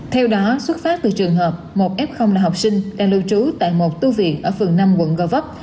theo đó xuất phát từ trường hợp một f là học sinh đang lưu trú tại một tu viện ở phường năm quận gò vấp